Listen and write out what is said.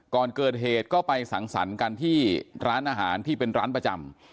ก่อนเกิดเหตุก็ไปสังสรรค์กันที่ร้านอาหารที่เป็นร้านประจำ